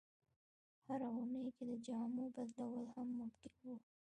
هره اونۍ کې د جامو بدلول هم ممکن وو.